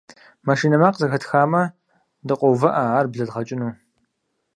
Машинэ макъ зэхэтхамэ, дыкъоувыӀэ, ар блэдгъэкӀыну.